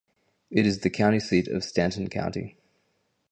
It is the county seat of Stanton County.